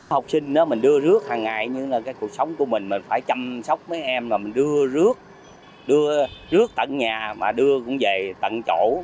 học sinh đưa rước hàng ngày nhưng cuộc sống của mình phải chăm sóc mấy em đưa rước tận nhà và đưa cũng vậy tận chỗ